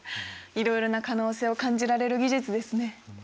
いろいろな可能性を感じられる技術ですね。